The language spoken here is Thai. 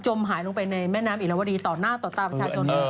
หายลงไปในแม่น้ำอิลวดีต่อหน้าต่อตาประชาชน